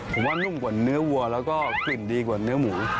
ผมว่านุ่มกว่าเนื้อวัวแล้วก็กลิ่นดีกว่าเนื้อหมู